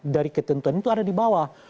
dari ketentuan itu ada di bawah